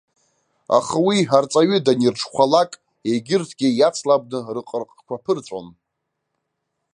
Аха уи арҵаҩы данирҽхәалак, егьырҭгьы иацлабны рҟырҟқәа ԥырҵәон.